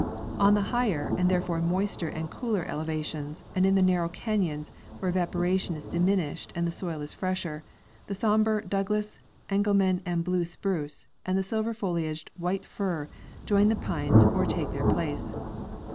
On the higher and therefore moister and cooler elevations and in the narrow canyons, where evaporation is diminished and the soil is fresher, the somber Douglas, Engelmann and blue spruce and the silver foliaged white fir join the pines or take their place.